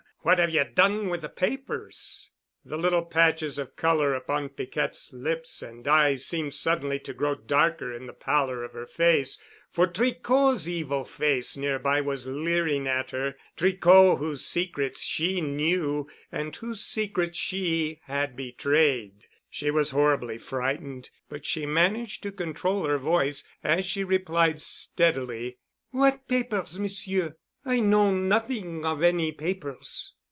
What have ye done with the papers?" The little patches of color upon Piquette's lips and eyes seemed suddenly to grow darker in the pallor of her face; for Tricot's evil face nearby was leering at her, Tricot whose secrets she knew and whose secrets she had betrayed. She was horribly frightened, but she managed to control her voice as she replied steadily. "What papers, Monsieur? I know nothing of any papers."